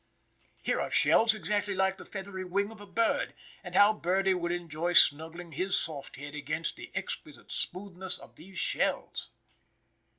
Here are shells exactly like the feathery wing of a bird, and how birdie would enjoy snuggling his soft head against the exquisite smoothness of these shells!